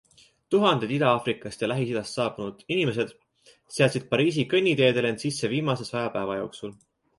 Tuhanded Ida-Aafrikast ja Lähis-Idast saabunud inimesed seadsid Pariisi kõnniteedel end sisse viimase saja päeva jooksul.